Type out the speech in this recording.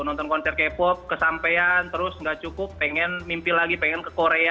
nonton konser k pop kesampean terus nggak cukup pengen mimpi lagi pengen ke korea